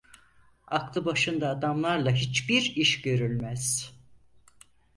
Aklı başında adamlarla hiçbir iş görülmez.